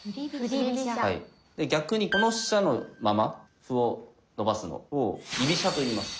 逆にこの飛車のまま歩をのばすのを「居飛車」といいます。